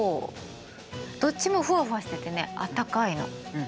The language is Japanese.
どっちもふわふわしててねあったかいの。